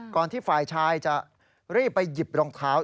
ที่ฝ่ายชายจะรีบไปหยิบรองเท้า